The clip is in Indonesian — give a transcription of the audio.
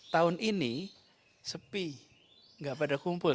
tahun ini sepi nggak pada kumpul